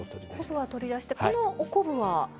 昆布は取り出してこのお昆布は？